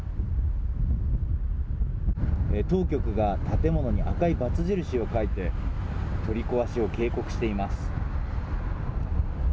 当局が建物に赤いバツ印を描いて、取り壊しを警告しています。